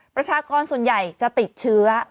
ประชากรส่วนใหญ่จะติดเชื้อ